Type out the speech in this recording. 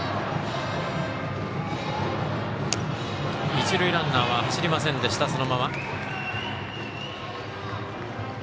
一塁ランナーは走りませんでした、そのまま。